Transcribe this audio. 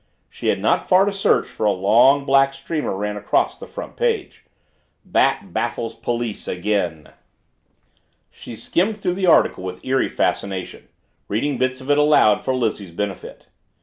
She had not far to search for a long black streamer ran across the front page "Bat Baffles Police Again." She skimmed through the article with eerie fascination, reading bits of it aloud for Lizzie's benefit.